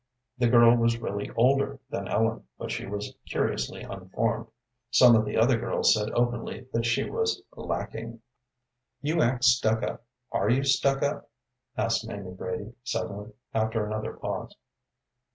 The girl was really older than Ellen, but she was curiously unformed. Some of the other girls said openly that she was "lacking." "You act stuck up. Are you stuck up?" asked Mamie Brady, suddenly, after another pause.